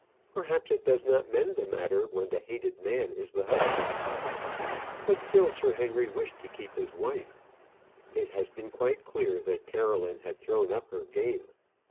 Perhaps it does not mend the matter when the hated man is the husband. But still Sir Henry wished to keep his wife. It has been quite clear that Caroline had thrown up her game.